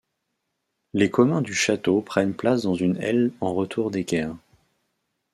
Les communs du château prennent place dans une aile en retour d'équerre.